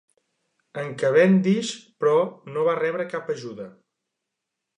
En Cavendish, però, no va rebre cap ajuda.